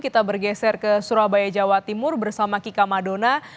kita bergeser ke surabaya jawa timur bersama kika madona